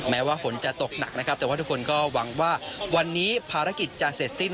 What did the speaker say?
แม้ว่าฝนจะตกหนักนะครับแต่ว่าทุกคนก็หวังว่าวันนี้ภารกิจจะเสร็จสิ้น